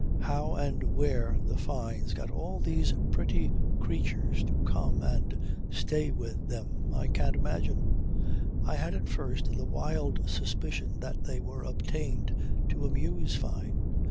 How and where the Fynes got all these pretty creatures to come and stay with them I can't imagine. I had at first the wild suspicion that they were obtained to amuse Fyne.